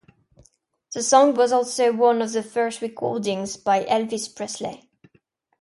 The song was also one of the first recordings by Elvis Presley.